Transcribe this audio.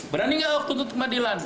berani nggak ahok tuntut ke pengadilan